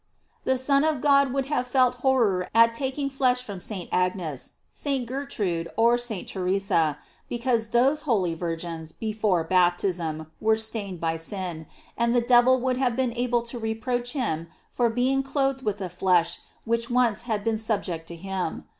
The Son of God would have felt horror at taking flesh from St. Agnes, St. Ger trude, or St. Theresa, because those holy virgins, before baptism, were stained by sin, and the devil would have been able to reproach him for being clothed with a flesh which once had been subject to him.